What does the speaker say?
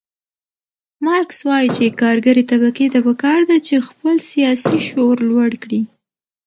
مارکس وایي چې کارګرې طبقې ته پکار ده چې خپل سیاسي شعور لوړ کړي.